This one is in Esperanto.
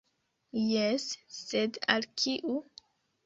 Jes, sed al kiu?